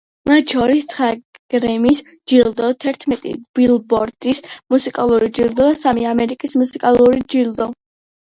მათ შორის ცხრა გრემის ჯილდო, თერთმეტი ბილბორდის მუსიკალური ჯილდო და სამი ამერიკის მუსიკალური ჯილდო.